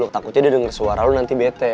takutnya dia denger suara lo nanti bete